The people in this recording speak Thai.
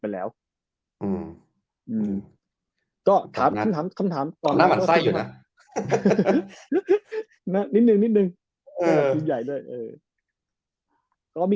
ไปแล้วอืมหืมก็ถามถามคำถามตอนนั้นถ้านิดนึงนิดนึงก็มี